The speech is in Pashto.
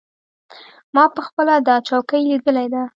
ما پخپله دا چوکۍ لیدلې ده.